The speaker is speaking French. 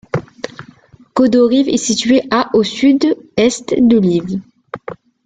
Khodoriv est située à au sud-est de Lviv.